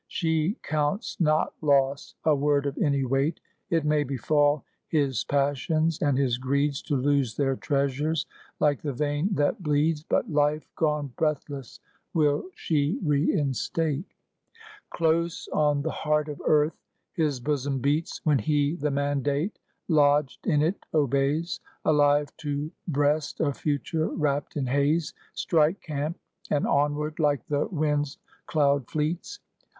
She counts not loss a word of any weight; It may befal his passions and his greeds To lose their treasures, like the vein that bleeds, But life gone breathless will she reinstate. Close on the heart of Earth his bosom beats, When he the mandate lodged in it obeys, Alive to breast a future wrapped in haze, Strike camp, and onward, like the wind's cloud fleets.